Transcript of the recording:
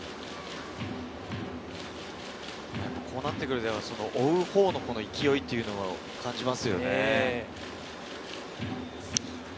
こうなってくると追うほうの勢いっていうのを感じますよね。